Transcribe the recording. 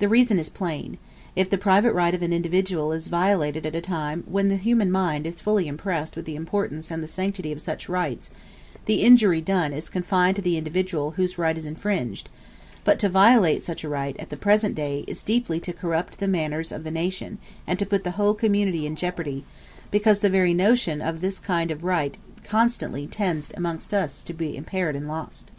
The reason is plain: if the private right of an individual is violated at a time when the human mind is fully impressed with the importance and the sanctity of such rights, the injury done is confined to the individual whose right is infringed; but to violate such a right, at the present day, is deeply to corrupt the manners of the nation and to put the whole community in jeopardy, because the very notion of this kind of right constantly tends amongst us to be impaired and lost.